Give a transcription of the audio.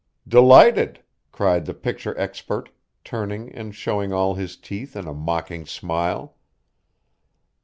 "Delighted," cried the picture expert, turning and showing all his teeth in a mocking smile.